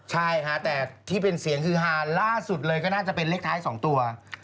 ใช่ค่ะแต่ที่เป็นเสียงคือฮาล่าสุดเลยก็น่าจะเป็นเลขท้าย๒ตัว